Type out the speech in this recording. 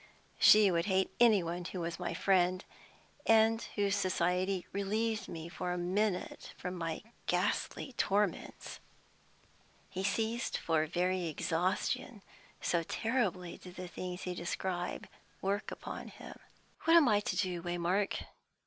She would hate any one who was my friend, and whose society relieved me for a moment from my ghastly torments!" He ceased for very exhaustion, so terribly did the things he described work upon him. "What am I to do, Waymark?